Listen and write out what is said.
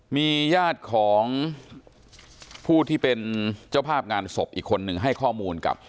มีญาติของผู้ที่เป็นเจ้าภาพงานศพอีกคนหนึ่งให้ข้อมูลกับ